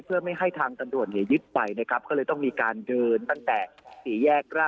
เพื่อไม่ให้ทางตำรวจเนี่ยยึดไปนะครับก็เลยต้องมีการเดินตั้งแต่สี่แยกราช